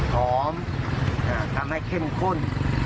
ทำให้เข้มข้น